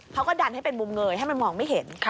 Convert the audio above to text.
เขาก็ดันให้เป็นมุมเงยให้มันมองไม่เห็น